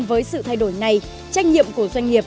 với sự thay đổi này trách nhiệm của doanh nghiệp